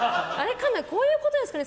こういうことですかね